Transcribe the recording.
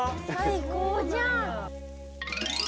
最高じゃん！